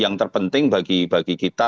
yang terpenting bagi kita